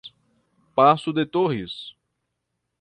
Passo de Torres